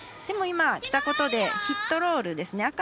でも今、きたことでヒットロールですね。